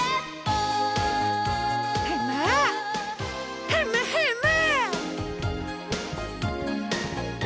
ヘムヘムヘム！